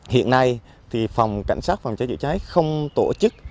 hiện nay thì phòng cảnh sát phòng cháy chữa cháy không tổ chức